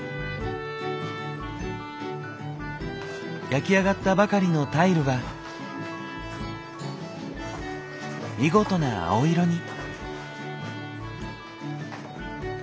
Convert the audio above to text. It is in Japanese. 焼き上がったばかりのタイルは見事な青色に。